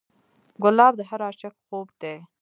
ګلاب د هر عاشق خوب دی.